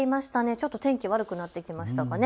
ちょっと天気、悪くなってきましたかね。